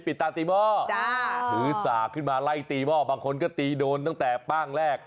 ตาตีหม้อถือสากขึ้นมาไล่ตีหม้อบางคนก็ตีโดนตั้งแต่ป้างแรก